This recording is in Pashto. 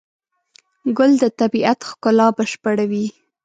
ګل د طبیعت ښکلا بشپړوي.